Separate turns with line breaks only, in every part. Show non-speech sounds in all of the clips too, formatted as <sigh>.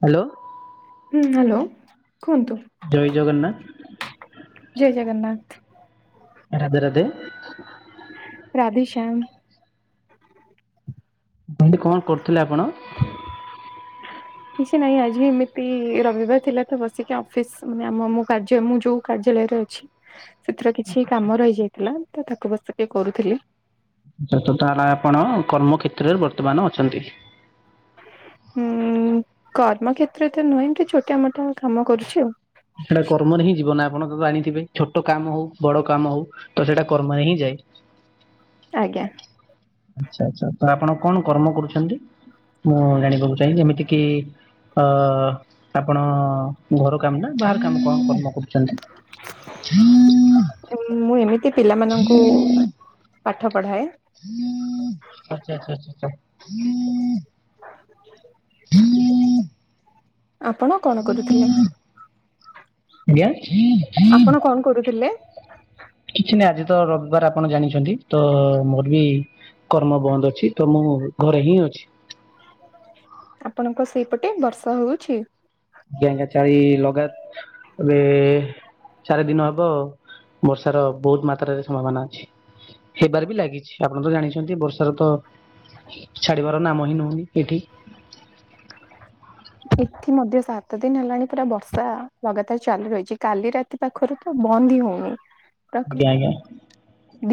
Hello.
ହୁଁ hello କୁହନ୍ତୁ।
ଜୟ ଜଗନ୍ନାଥ।
ଜୟ ଜଗନ୍ନାଥ।
ରାଧେ ରାଧେ।
ରାଧେ ଶ୍ୟାମ।
ମୁଁ କହିଲି କଣ କରୁଥିଲେ ଆପଣ। <inaudible>
କିଛି ନାଇଁ ଆଜି ଏମିତି ରବିବାର ଥିଲା ତ ବସିକି ଅଫିସ ମାନେ ଆମ ମୁଁ କାର୍ଯ୍ୟ ମୁଁ ଯୋଉ କାର୍ଯ୍ୟାଳୟରେ ଅଛି।
<inaudible>
ସେଥିର କିଛି କାମ ରହିଯାଇଥିଲା ତ ତାକୁ ବସିକି କରୁଥିଲି।
ତ ତ୍ ତାହେଲେ ଆପଣ କର୍ମ ଖେତ୍ରରେ ବର୍ତ୍ତମାନ ଅଛନ୍ତି।
ହୁଁ କର୍ମ କ୍ଷେତ୍ର ତ ନୁହେଁ ଏମତି ଛୋଟିଆ ମୋଟା କାମ କରୁଛି ଆଉ।
ସେଟା କର୍ମରେ ହିଁ ଜୀବନ ଆପଣ ତ ଜାଣିଥିବେ ଛୋଟ କାମ ହଉ ବଡ କାମ ହଉ। ତ ସେଇଟା କର୍ମରେ ହିଁ ଯାଏ।
ଆଜ୍ଞା।
ଆଚ୍ଛା ଆଚ୍ଛା ତ ଆପଣ କଣ କର୍ମ କରୁଛନ୍ତି। ମୁଁ ଜାଣିବାକୁ ଚାହେଁ ଯେମିତି କିି ଅ ଆପଣ ଘର କାମ ନା। ବାହାର କାମ କଣ କର୍ମ କରୁ ଚନ୍ତି। <inaudible>
ମୁଁ ଏମିତି ପିଲାମାନଙ୍କୁ ପାଠ ପଢ଼ାଏ।
ଆଛା ଆଛା ଆଛା ଛା।
<inaudible>
<inaudible>
ଆପଣ କଣ କରୁଥିଲେ।
ଆଜ୍ଞା।
ଆପଣ କଣ କରୁଥିଲେ।
କିଛି ନା ଆଜି ତ ରବିବାର ଆପଣ ଜାଣିଛନ୍ତି ତ ମୋର ବି କର୍ମ ବନ୍ଦ ଅଛି ତ ମୁଁ ଘରେ ହିଁ ଅଛି
ଆପଣଙ୍କ ସେଇପଟେ ବର୍ଷା ହଉଛି?
<unintelligible> ଚାରି ଦିନ ହବ ବର୍ଷାର ବହୁତ ମାତ୍ରାରେ ସମ୍ଭାବନା ଅଛି। ହେବାର ବି ଲାଗିଛି ଆପଣ ତ ଜାଣିଛନ୍ତି ବର୍ଷାର ତ ଛାଡିବାର ନାମ ହିଁ ନୋଉନି ଏଇଠି।
ଏଠି ମଧ୍ୟ ସାତ ଦିନ ହେଲାଣି ପୁରା ବର୍ଷା ଲଗାତାର ଚାଲୁ ରହିଛି କାଲି ରା ତି ପାଖରୁ ତ ବନ୍ଦ ହି ହଉନି। ତକ୍
ଆଜ୍ଞା ଆଜ୍ଞା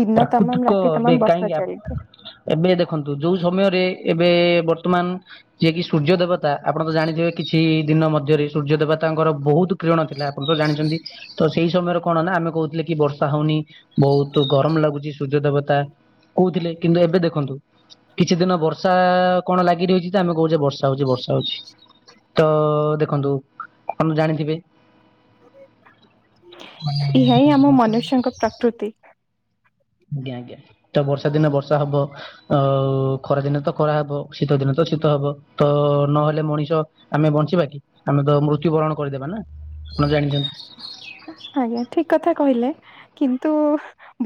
ଦିନ
ପ୍ରାକୃତିକ
ତମାମ ରାତି
ଏବେ
ତମାମ
କାହିଁକି
ବର୍ଷା
ଆପ୍
ଚାଲିଛି।
ଏବେ ଦେଖନ୍ତୁ ଯୋଉ ସମୟରେ ଏବେ ବର୍ତ୍ତମାନ ଯିଏ କିି ସୂର୍ଯ୍ୟ ଦେବତା ଆପଣ ତ ଜାଣିଥିବେ କିଛି ଦିନ ମଧ୍ୟରେ ସୂର୍ଯ୍ୟ ଦେବତାଙ୍କର ବହୁତ କିରଣ ଥିଲା। ଆପଣ ତ ଜାଣିଛନ୍ତି ତ ସେଇ ସମୟରେ କଣ ନା ଆମେ କହୁଥିଲେ କି ବର୍ଷା ହଉନି ବହୁତ ଗରମ ଲାଗୁଛି। ସୂର୍ଯ୍ୟ ଦେବତା କହୁଥିଲେ କିନ୍ତୁ ଏବେ ଦେଖନ୍ତୁ କିଛି ଦିନ ବର୍ଷା କଣ ଲାଗି ରହିଛି ତ ଆମେ କହୁଛେ ବର୍ଷା ହଉଛି ବର୍ଷା ହଉଛି। ତ ଦେଖନ୍ତୁ ଆମେ ଜାଣିଥିବେ ମାନେ
ଏହା ହିଁ
ଦେଖନ୍ତୁ
ଆମ
ବର୍ଷାରେ
ମନୁଷ୍ୟଙ୍କ ପ୍ରକୃତି
ଆଜ୍ଞା ଆଜ୍ଞା ତ ବର୍ଷା ଦିନେ ବର୍ଷା ହବ। ଆଉ ଖରାଦିନେ ତ ଖରା ହବ ଶୀତ ଦିନେ ତ ଶୀତ ହବ ତ ନହେଲେ ମଣିଷ ଆମେ ବଞ୍ଚିବା କି ଆମେ ତ ମୃତ୍ୟୁ ବରଣ କରିଦବା ନା ଆପଣ ଜାଣିଛନ୍ତି।
ଆଜ୍ଞା ଠିକ କଥା କହିଲେ କିନ୍ତୁ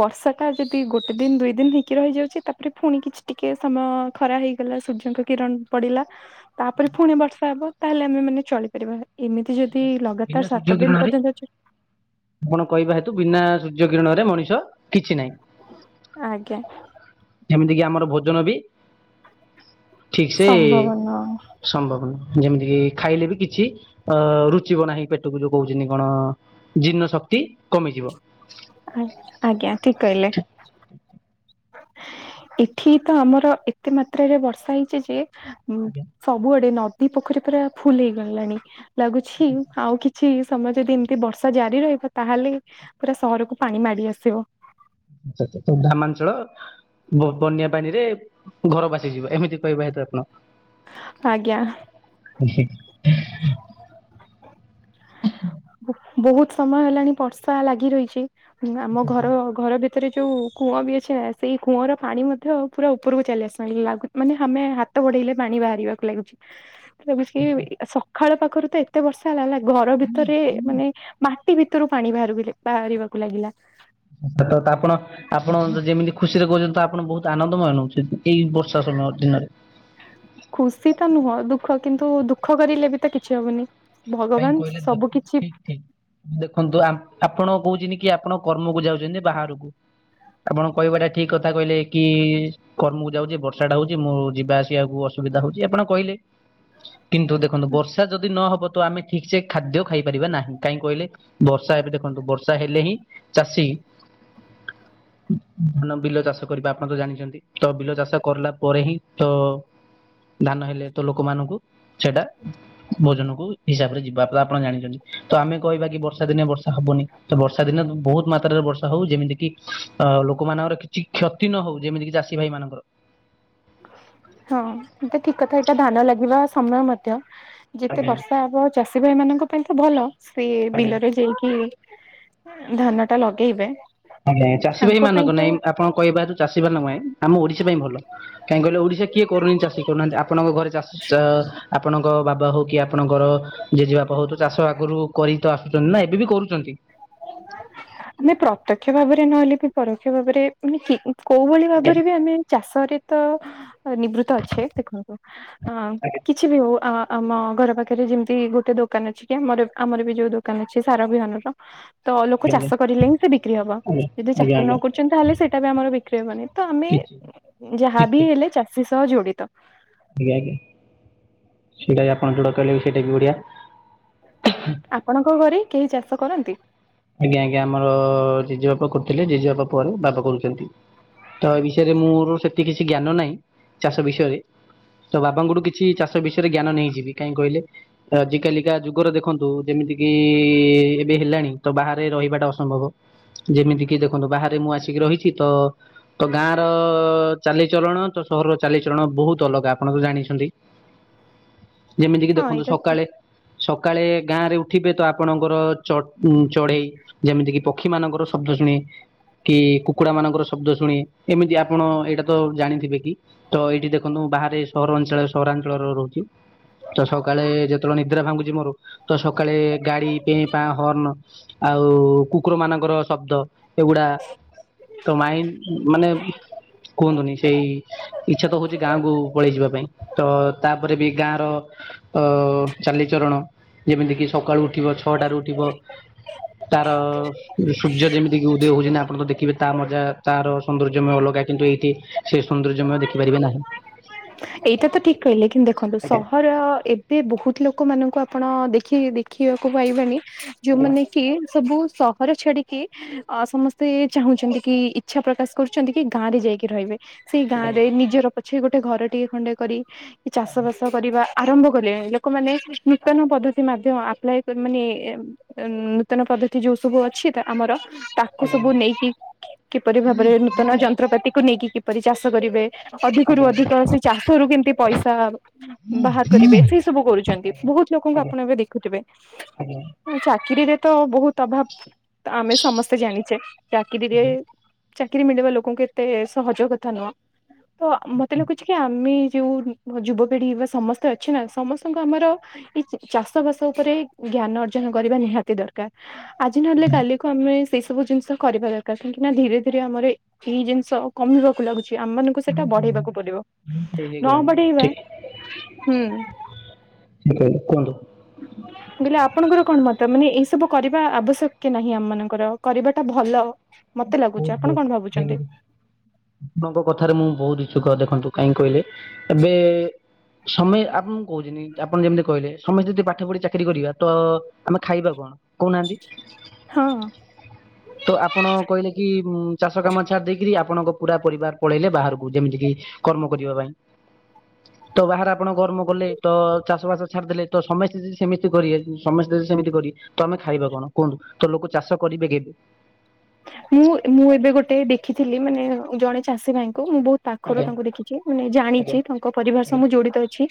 ବର୍ଷା ଟା ଯଦି ଗୋଟେ ଦିନ ଦୁଇ ଦିନ ହେଇକି ରହିଯାଉଛି ତାପରେ ଫୁଣି କିଛି ଟିକେ ସମୟ ଖରା ହେଇଗଲା ସୂର୍ଯ୍ୟଙ୍କ କିରଣ ପଡିଲା। ତାପରେ ଫୁଣି ବର୍ଷା ହବ ତାହେଲେ ଆମେ ମାନେ ଚଳିପାରିବା ଏମିତି ଯଦି
ବିନା
ଲଗାତାର
ସୂର୍ଯ୍ୟ
ସାତ ଦିନ
କିରଣରେ
ପର୍ଯ୍ୟନ୍ତ
ଆପଣ କହିବା ହେତୁ ବିନା ସୂର୍ଯ୍ୟ କିରଣରେ ମଣିଷ କିଛି ନାହିଁ।
ଆଜ୍ଞା।
ଏମିତି କି ଆମର ଭୋଜନ ବି ଠିକ ସେ
ସମ୍ଭବ ନୁହଁ
ସମ୍ଭବ ନୁହଁ ଯେମିତି କି ଖାଇଲେ ବି କିଛି ଅ ରୁଚିବ ନାହିଁ ପେଟକୁ ଯୋଉ କହୁଛନ୍ତି କଣ ଜୀର୍ଣ୍ଣ ଶକ୍ତି କମିଯିବ।
ଆ ଆଜ୍ଞା ଠିକ କହିଲେ। ଏଠି ତ ଆମର ଏତେ ମାତ୍ରାରେ ବର୍ଷା ହେଇଛି ଯେ ଉ
ଆଚ୍ଛା,
ସବୁଆଡେ ନଦୀ ପୋଖରୀ ପୁରା ଫୁଲ୍ ହେଇଗଲାଣି। ଲାଗୁଛି ଆଉ କିଛି ସମୟ ଯଦି ଏମତି ବର୍ଷା ଜାରି ରହିବ ତାହେଲେ ପୁରା ସହରକୁ ପାଣି ମାଡି ଆସିବ।
ଆଛ ଆଛା ତ ଗ୍ରାମାଞ୍ଚଳ ବ ବନ୍ୟା ପାଣି ରେ ଘର ଭାସିଯିବ ଏମିତି ପାଇବେ ହୁଏତ ଆପଣ <unintelligible>
ଆଜ୍ଞା।
ହିଁ ହିଁ
ବହୁତ ସମୟ ହେଲାଣି ବର୍ଷା ଲାଗି ରହିଛି ଆମ ଘର ଘର ଭିତ ତରେ ଯୋଉ କୂଅ ବି ଅଛ ସେଇ କୂଅର ପାଣି ମଧ୍ୟ ପୁରା ଉପରକୁ ଚାଲି ଆସିଲାଣି ଲାଗୁ ମାନେ ହାମେ ହାତ ବଢେଇଲେ ପାଣି ବାହାରିବାକୁ ଲାଗୁଛି।
<unintelligible>
ସକାଳ ପାଖରୁ ତ ଏତେ ବର୍ଷା ହେଲା ହେଲା ଘର ଭିତ ତରେ ମାନେ ମାଟି ଭିତରୁ ପାଣି ବାହାର ବାହାରିବାକୁ ଲାଗିଲା।
ଆଛ ତା ଆପଣ ଆପଣ ମାନେ ତ ଯେମିତି ଖୁସିରେ କହୁଛନ୍ତି ତ ଆପଣ ବହୁତ ଆନନ୍ଦମୟ ନେଉଛନ୍ତି ଏଇ ବର୍ଷା ସମୟ ଦିନରେ।
ଖୁସି ତ ନୁହଁ ଦୁଃଖ କିନ୍ତୁ ଦୁଃଖ କରିଲେ ବି ତ କିଛି ହବନି।
କାହିଁକି
ଭଗବାନ
କହିଲେ
ସବୁ
ଦେଖନ୍ତୁ
କିଛି
ଠିକ ଠିକ ଦେଖନ୍ତୁ ଆମ୍ ଆପଣ କହୁଛନ୍ତି କି ଆପଣ କର୍ମକୁ ଯାଉଛନ୍ତି ବାହାରକୁ। ଆପଣ କହିବାଟା ଠିକ କଥା କହିଲେ କି କର୍ମକୁ ଯାଉଛି ବର୍ଷାଟା ହଉଛି ମୁଁ ଯିବା ଆସିବାକୁ ଅସୁବିଧା ହଉଛି ଆପଣ କହିଲେ। କିନ୍ତୁ ଦେଖନ୍ତୁ ବର୍ଷା ଯଦି ନହବ ତ ଆମେ ଠିକ୍ ସେ ଖାଦ୍ୟ ଖାଇପାରିବା ନାହିଁ କାହିଁକି କହିଲେ ବର୍ଷା ଏବେ ଦେଖନ୍ତୁ ବର୍ଷା ହେଲେ ହିଁ ଚାଷୀ ଧାନ ବିଲ ଚାଷ କରିବା। ଆପଣ ତ ଜାଣିଛନ୍ତି ତ ବିଲ ଚାଷ କରିଲା ପରେ ହିଁ ତ ଧାନ ହେଲେ ତ ଲୋକମାନଙ୍କୁ ସେଇଟା ଭୋଜନ କୁ ହିସାବ ରେ ଯିବା ଆପଣ ଜାଣିଛନ୍ତି ତ ଆମେ କହିବା କି ବର୍ଷା ଦିନେ ବର୍ଷା ହବନି ତ ବର୍ଷା ଦିନେ ବହୁତ୍ ମାତ୍ରା ରେ ବର୍ଷା ହଉ ଯେମିତି କି ଲୋକମାନଙ୍କର କିଛି କ୍ଷତି ନ ହଉ ଯେମିତିକି ଚାଷୀ ଭାଇ ମାନଙ୍କର।
ହଁ ତ ଠିକ୍ କଥା ଏଇଟା ଧାନ ଲାଗିବା ସମୟ ମଧ୍ୟ। ଯେତେ
ଆଜ୍ଞା
ବର୍ଷା ହବ ଚାଷୀ ଭାଇ ମାନଙ୍କ ପାଇଁ ତ ଭଲ ସେ
ଆଜ୍ଞା
ବିଲରେ ଯାଇକି ଧାନ ଟା ଲଗେଇବେ।
ଆଜ୍ଞା ଚାଷୀ
ତାଙ୍କ
ଭାଇ
ପାଇଁ
ମାନଙ୍କ
ତ
ନାଇଁ ଆପଣ କହିବା ଚାଷୀ ମାନଙ୍କ ପାଇଁ ଆମ ଓଡ଼ିଶା ପାଇଁ ଭଲ। କାଇଁ କହିଲେ ଓଡ଼ିଶା କିଏ କରୁନି ଚାଷୀ ଆପଣଙ୍କ ଘରେ ଚାଷ ଚା ଆପଣଙ୍କ ବାବା ହଉ କି ଆପଣଙ୍କର ଜେଜେବାପା <unintelligible> ତ ଚାଷ ଆଗରୁ କରି ତ ଆସୁଛନ୍ତି ନା ଏବେ ବି କରୁଛନ୍ତି?
ଆମେ ପ୍ରତ୍ୟକ୍ଷ ଭାବରେ ନହେଲେ ବି ପରୋକ୍ଷ ଭାବରେ ମାନେ କୋଉ ଭଳି
ଆଜ୍ଞା
ଭାବରେ ବି ଆମେ ଚାଷରେ ତ ନିବୃତ୍ତ ଅଛେ ଦେଖନ୍ତୁ ହଁ
ଆଜ୍ଞା
କି କିଛି ବି ହଉ ଆ ଆମ ଘର ପାଖରେ ଯେମିତି ଗୋଟେ ଦୋକାନ ଅଛି କି ଆମର ଆମର ବି ଯୋଉ ଦୋ ଦୋକାନ ଅଛି ସାର ବିହନ ତ ତ ଲୋକ
ଆଜ୍ଞା
ଚାଷ କରିଲେ ହିଁ ସେ ବିକ୍ରି ହବ
ଆଜ୍ଞା
ଯଦି ଚାଷ
ଆଜ୍ଞା
ନ
ଆଜ୍ଞା
କରୁଛନ୍ତି ତାହେଲେ ସେଇଟା ବି ଆମର ବିକ୍ରି ହବନି। ତ ଆମେ
କିଛି
ଯାହା
ଠିକ
ବି ହେଲେ ଚାଷୀ ସହ ଜଡ଼ିତ।
ଆଜ୍ଞା ଆଜ୍ଞା ସେଟା କି ଆପଣ ଯୋଉଟା କହିଲେ ବି ସେଇଟା ବି ବଢ଼ିଆ।
ଆପଣଙ୍କ ଘରେ କେହି ଚାଷ କରନ୍ତି?
ଆଜ୍ଞା ଆଜ୍ଞା ଆମର ଜେଜେ ବାପା କରୁଥିଲେ ଜେଜେ ବାପା ପରେ ବାପା କରୁଛନ୍ତି। ତ ଏ ବିଷୟରେ ମୋର ସେତିକି କିଛି ଜ୍ଞାନ ନାହିଁ ଚାଷ ବିଷୟରେ ତ ବାପାଙ୍କଠୁ କି କିଛି ଚାଷ ବିଷୟରେ ଜ୍ଞାନ ନେଇଯିବି କାଇଁ କହିଲେ ଆଜିକାଲିକା ଯୁଗରେ ଦେଖନ୍ତୁ ଯେମିତିକି ଏବେ ହେଲାଣି। ତ ବାହାରେ ରହିବା ଟା ଅସମ୍ଭବ ଯେମିତି କି ଦେଖନ୍ତୁ ବାହାରେ ମୁଁ ଆସିକି ରହିଛି ତ ତ ଗାଁ ର ଚାଲି ଚରଣ ତ ସହରର ଚାଲି ଚଳଣ ବହୁତ୍ ଅଲଗା ଆପଣ ତ ଜାଣିଛନ୍ତି। ଯେମିତି କି
ହଁ
ଦେଖନ୍ତୁ
ଏଇଟା ଠିକ।
ସକାଳେ ସକାଳେ ଗାଁ ରେ ଉଠିବେ ତ ଆପଣଙ୍କର ଚ ଉଁ ଚଢ଼େଇ ଯେମିତି କି ପକ୍ଷୀ ମାନଙ୍କର ଶବ୍ଦ ଶୁଣି କି କୁକୁଡ଼ା ମାନଙ୍କର ଶବ୍ଦ ଶୁଣି ଏମିତି ଆପଣ ଏଇଟା ତ ଜାଣିଥିବେ କି? ତ ଏଇଠି ଦେଖନ୍ତୁ ବାହାରେ ସହରା ଅଞ୍ଚଳ ସହରାଞ୍ଚଳର ରହୁଛି। ତ ସକାଳେ ଯେତେବେଳେ ନିଦ୍ରା ଭାଙ୍ଗୁଛି ମୋର ତ ସକାଳେ ଗାଡି ପେଁ ପାଁ ହର୍ନ୍। ଆଉ କୁକୁର ମାନଙ୍କର ଶବ୍ଦ ଏଗୁଡା଼ ତ ମାଇଣ୍ଡି ମାନେ କୁହନ୍ତୁନି ସେଇ ଇଚ୍ଛା ତ ହଉଛି ଗାଁକୁ ପଳେଇ ଯିବା ପାଇଁ ତ ତାପରେ ବି ଗାଁର ଅ ଚାଲି ଚରଣ ଯେମିତି କିି ସକାଳୁ ଉଠିବ ଛଅଟାରୁ ଉଠିବ। ତାର ସୂର୍ଯ୍ୟ ଯେମିତି କି ଉଦୟ ହଉଛି ନା ଆପଣ ଦେଖିବେ। ତା ମଜା ତାର ସୌନ୍ଦର୍ଯ୍ୟମୟ ଅଲଗା କିନ୍ତୁ ଏଇଠି ସେ ସୌନ୍ଦର୍ଯ୍ୟମୟ ଦେଖିପାରିବେ ନାହିଁ।
ଏଇଟା ତ ଠିକ୍ କହିଲେ କିନ୍ତୁ ଦେଖନ୍ତୁ
ଆଜ୍ଞା
ସହର ଏ ଏ ବହୁତ୍ ଲୋକମାନଙ୍କୁ ଆପଣ ଦେଖି ଦେଖିବାକୁ ପାଇବେନି
ଆଜ୍ଞା
ଯୋଉମାନେ କି ସବୁ ସହର ଛାଡି଼କି ଅ ସମସ୍ତେ ଚାହୁଁଛନ୍ତି କି ଇଚ୍ଛା ପ୍ରକାଶ କରୁଛନ୍ତି କି ଗାଁ ରେ ଯାଇକି ରହିବେ। ସେଇ ଗାଁ
ଆଜ୍ଞା
ରେ ନିଜର ପଛେ ଗୋଟେ ଘର ଟିକେ ଖଣ୍ଡେ କରି ଚାଷ
ଆଜ୍ଞା
ବାସ କରିବା ଆରମ୍ଭ କଲେଣି ଲୋକମାନେ ନୂତନ ପଦ୍ଧତି ମାଧ୍ୟମ ଅପ୍ଲାଇ ମାନେ ଉଁ ନୂତନ ପଦ୍ଧତି ଯୋଉ ସବୁ ଅଛି ତ ଆମର ତାକୁ
ଆଜ୍ଞା ଆଜ୍ଞା
ସବୁ ନେଇକି କିପରି ଭାବରେ ନୂତନ ଯନ୍ତ୍ରପାତିକୁ ନେଇକି କିପରି ଚାଷ କରିବେ? ଅଧିକରୁୁ
ଆଜ୍ଞା ଆଜ୍ଞା
ଅଧିକ ସେଇ ଚାଷରୁ କେମତି ପଇସା ବାହାର କରିବେ, ସେ ଏଇ ସବୁ କରୁଛନ୍ତି
ଆଜ୍ଞା
ବହୁତ ଲୋକଙ୍କୁ ଆପଣ ଏବେ ଦେଖୁଥିବେ।
ଆଜ୍ଞା
ଚାକିରୀରେ ତ ବହୁତ ଅଭାବ ତ ଆମେ ସମସ୍ତେ ଜାଣିଛେ। ଚାକିରୀରେ ଚାକିରୀ ମିଳିବା ଲୋକଙ୍କୁ ଏତେ ସହଜ କଥା ନୁହଁ ତ ମ ମତେ ଲଖୁଛି କି ଆମେ ଯୋଉ ଯୁବପିଢି ବା ସମସ୍ତେ ଅଛି ନା ସମସ୍ତଙ୍କୁ ଆମର ଏଇ ଚାଷ ବାସ ଉପରେ ଜ୍ଞାନ ଅର୍ଜନ କରିବା ନିହାତି ଦରକାର। ଆଜି ନହେଲେ କାଲିକୁ ଆମେ ସେଇ ସବୁ ଜିନିଷ କରିବା ଦରକାର କାହିଁକି ନା ଧୀରେ ଧୀରେ ଆମର ଏଇ ଜିନିଷ କମିବାକୁ ଲାଗୁଛି ଆମ ମାନ କୁ ସେଟା ବଢେଇବାକୁ ପଡିବ
ଡେରି
ନ
ହେଇଗଲାଣି
ବଢେଇବା,
ଠିକ୍
ହୁଁ।
<inaudible> କୁହନ୍ତୁ।
ମୁଁ କହିଲି ଆପଣଙ୍କର କଣ ମତ ମାନେ ଏଇ ସବୁ କରିବା ଆବଶ୍ୟକ କି ନାହିଁ ଆମ ମାନଙ୍କର କରିବାଟା ଭଲ ମତେ ଲାଗୁଛି
ବହୁତ
ଆପଣ
ବହୁତ
କଣ
<inaudible>
ଭାବୁଛନ୍ତି
ଆପଣଙ୍କ କଥାରେ ମୁଁ ବହୁତ ଇଛୁକ ଦେଖନ୍ତୁ କାହିଁକି କହିଲେ ଏବେ ସମସ୍ତେ ଆପଣଙ୍କୁ କହୁଛନ୍ତି ଆପଣ ଯେମିତି କହିଲେ ସମସ୍ତେ ଯଦି ପାଠ ପଢି ଚାକିରି କରିବା ତ ଆମେ ଖାଇବା କଣ? କହୁନାହାନ୍ତି
ହଁ।
ତ ଆ ଆପଣ କହିଲେ କି ଚାଷ କାମ ଛାଡ଼ି ଦେଇକିରି ଆପଣଙ୍କ ପୁରା ପରିବାର ପଳେଇଲେ ବାହାରକୁ ଯେମିତିକି କର୍ମ କରିବା ପାଇଁ। ତ ବାହାରେ ଆପଣ କର୍ମ କଲେ ତ ଚାଷ ବାସ ଛାଡ଼ିଦେଲେ, ତ ସମସ୍ତେ ଯଦି ସେମିତି କରିବେ ସମସ୍ତେ ଯଦି ସେମିତି କରିବେ ତମେ ଖାଇବ କଣ କୁହନ୍ତୁ, ତ ଲୋକ ଚାଷ କରିବେ କେମି
ମୁଁ ମୁଁ ଏବେ ଗୋଟେ ଦେଖିଥିଲି ମାନେ ଜଣେ ଚାଷୀ ଭାଇଙ୍କୁ ମୁଁ ବହୁତ ପାଖରୁ
ଆଜ୍ଞା
ତାଙ୍କୁ ଦେଖିଛି ମାନେ
ଆଜ୍ଞା
ଜାଣିଛି ତାଙ୍କ ପରିବାର ସହ
ଆଜ୍ଞା
ମୁଁ ଜଡିତ ଅଛି,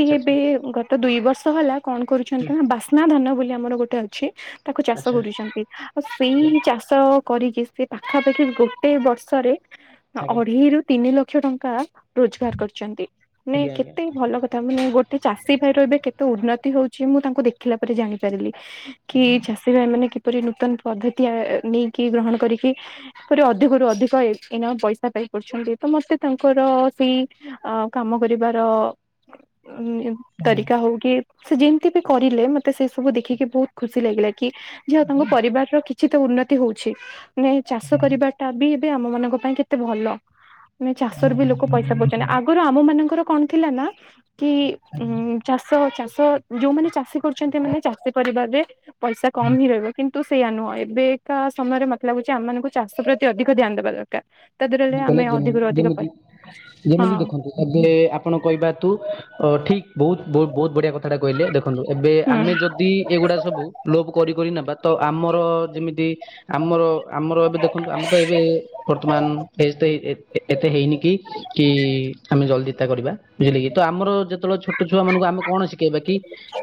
ଆଚ୍ଛା
ଏବେ ଗ ତ ଦୁଇ ବର୍ଷ ହେଲା କଣ କରୁଛନ୍ତି ନା ବାସ୍ନା ଧାନ ବୋଲି ଆମର ଗୋଟେ ଅଛି ତାକୁ ଚାଷ
ଆଚ୍ଛା ଆଜ୍ଞା ଆଚ୍ଛା
କରୁଛନ୍ତି ଆଉ ସେଇ ଚା ଷ କରିକି ସେ ପାଖାପାଖି ଗୋଟେ ବର୍ଷରେ ହଁ
ଆଜ୍ଞା
ଅଢେଇରୁ ତିନି ଲକ୍ଷ ଟଙ୍କା ରୋଜଗାର କରିଛନ୍ତି, ମାନେ
ଆଜ୍ଞା ଆଜ୍ଞା ଆଜ୍ଞା।
କେତେ ଭଲ କଥା ମାନେ ଗୋ ଟେ ଚାଷୀ ଭାଇ ର ଏବେ କେତେ ଉନ୍ନତି ହଉଛି ମୁଁ ତାଙ୍କୁ ଦେଖିଲା ପରେ ଜାଣି ପାରିଲି। କି ଚାଷୀ ଭାଇ ମାନେ କିପରି ନୂତନ ପଦ୍ଧତି ନେଇକି ଗ୍ରହଣ କରିକି ତାଙ୍କର ଅଧିକରୁୁ ଅଧିକ ଏ ଏଇନା ପଇସା ପାଇପାରୁଛନ୍ତି ତ ମତେ ତାଙ୍କର ସେଇ ଅ କାମ କରିବାର
ହଁ
ତରିକା ହଉ କି ସେ ଯେମିତି ବି କରିଲେ ମତେ ସେ ସବୁ ଦେଖିକି ବହୁତ ଖୁସି ଲାଗିଲା କି ଯାହା ହଉ ତାଙ୍କ ପରିବାରର କି କିଛିିତ ଉନ୍ନତି ହଉଛି, ମାନେ ଚାଷ
ଆଜ୍ଞା ଆଜ୍ଞା।
କରିବାଟା ବି ଏବେ ଆମ ମାନଙ୍କ ପାଇଁ କେତେ ଭଲ। ମାନେ ଚାଷରୁ ବି ଲୋକ ପଇସା ପାଉଛନ୍ତି, ଆଗରୁ ଆମ ମାନଙ୍କର କଣ ଥିଲା ନା କି ଚାଷ ଚାଷ ଯୋଉମାନେ ଚାଷୀ କରୁଛନ୍ତି ଏ ମାନେ ଚାଷୀ ପରିବାରରେ ପଇସା କମ୍ ହିଁ ରହିବ କିନ୍ତୁ ନ୍ତୁ ସେଇୟା ନୁହଁ ଏବେକା ସମୟରେ ମତେ ଲାଗୁଛି ଆମ ମାନଙ୍କୁ ଚାଷ ପ୍ରତି ଅଧିକ ଧ୍ୟାନ ଦେବା ଦରକାର। ତା ଦେହରେ ଆମେ
<unintelligible> ଯେମୁ
ଅଧିକରୁ ଅଧିକ
ଯେମିତି
ପାଇ
ଯେମିତି
ହଁ।
ଦେଖନ୍ତୁ ଏବେରେ ଆପଣ କହିବା ତୁ ଅ ଠିକ୍ ବହୁତ ବହୁତ ବହୁତ ବଢିଆ କଥାଟା କହିଲେ ଦେଖନ୍ତୁ ଏବେ
ହୁଁ।
ଆମେ ଯଦି ଏଗୁଡା ସବୁ ଲୋପ କରି କରି ନେବା ତ ଆମର ଯେମିତି ଆମର ଆମର ଏବେ ଦେଖନ୍ତୁ ଆମର ତ ଏବେ ବର୍ତ୍ତମାନ ଏଜ୍ ତ ଏତେ ହେଇନି କି କି ଆମେ ଜଲ୍ଦି ତା କରିବା ବୁଝିଲେ କି, ତ ଆମର ଯେତେବେଳେ ଛୋଟ ଛୁଆ ମାନଙ୍କୁ ଆମେ କଣ ଶିଖେଇବା କି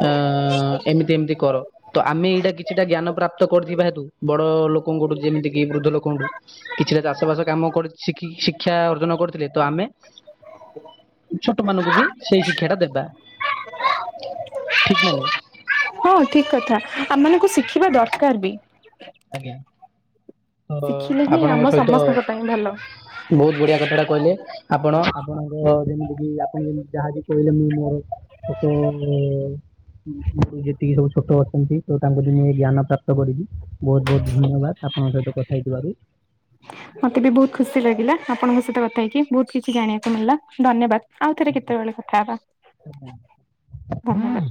ଅଁ ଏମିତି ଏମିତି କର। ତ ଆମେ ଏଇଟା କିଛିଟା ଜ୍ଞାନ ପ୍ରାପ୍ତ କରିଥିବା ହେତୁ ବଡ ଲୋକଙ୍କଠୁ ଯେମିତି କିି ବୃଦ୍ଧ ଲୋକଙ୍କଠୁ କିଛିଟା ଚାଷ ବାସ କାମ କରି ଶିଖି ଶିକ୍ଷା ଅର୍ଜନ କରିଥିଲେ ତ ଆମେ ଛୋଟ ମାନଙ୍କୁ ବି ସେଇ ଶିକ୍ଷା ଟା ଦେବା। ଠିକ୍ ନା ନାଇଁ?
ହଁ, ଠିକ୍ କଥା ଆମମାନଙ୍କୁ ଶିଖିବା ଦରକାର ବି।
ଆଜ୍ଞା, ତ
ଶିଖିଲେ ହିଁ ଆମ
ଆପଣଙ୍କ ସହିତ
ସମସ୍ତଙ୍କ ପାଇଁ ଭଲ।
ବହୁତ ବଢିଆ କଥା ଟା କହିଲେ ଆପଣ ଆପଣଙ୍କ ଯେମିତିକି ଆପଣ ଯେମତି ଯାହାକି କହିଲେ ମୁଁ ମୋର ଛୋଟ ମୋର ସବୁ ଯେତିକି ସବୁ ଛୋଟ ଅଛନ୍ତି ତ ତାଙ୍କୁଠୁ ମୁଁ ଏ ଜ୍ଞାନ ପ୍ରାପ୍ତ କରିବି। ବହୁତ୍ ବହୁତ୍ ଧନ୍ୟବାଦ ଆପଣଙ୍କ ସହିତ କଥା ହେଇଥିବାରୁ।
ମତେ ବି ବହୁତ୍ ଖୁସି ଲାଗିଲା, ଆପଣଙ୍କ ସହିତ କଥା ହେଇକି ବହୁତ୍ କିଛି ଜାଣିବାକୁ ମିଳିଲା, ଧନ୍ୟବାଦ। ଆଉଥରେ
ଧନ୍ୟବାଦ
କେତେବେଳେ କଥା ହେବା
ଆଜ୍ଞା
ଧନ୍ୟବାଦ।